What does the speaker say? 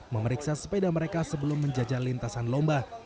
memeriksa sepeda mereka sebelum menjajah lintasan lomba